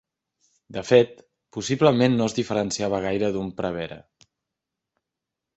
De fet, possiblement no es diferenciava gaire d'un prevere.